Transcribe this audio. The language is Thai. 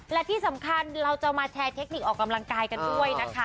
และที่สำคัญเราจะมาแชร์เทคนิคออกกำลังกายกันด้วยนะคะ